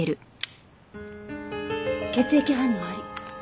血液反応あり。